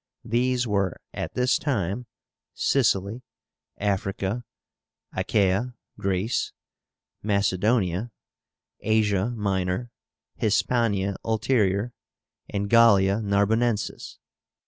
These were at this time Sicily, Africa, Achaia (Greece), Macedonia, Asia (Minor), Hispania Ulterior, and Gallia Narbonensis.